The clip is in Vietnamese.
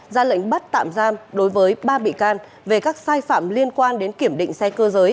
ra lệnh bắt tạm giam đối với ba bị can về các sai phạm liên quan đến kiểm định xe cơ giới